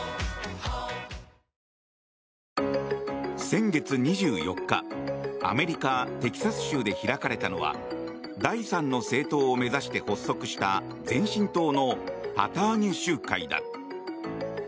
先月２４日アメリカ・テキサス州で開かれたのは第三の政党を目指して発足した前進党の旗揚げ集会だ。